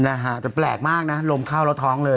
นะฮะแต่แปลกมากนะลมเข้าแล้วท้องเลย